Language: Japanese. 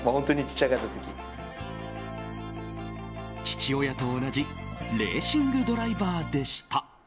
父親と同じレーシングドライバーでした。